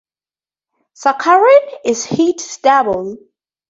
Saccharin is heat stable.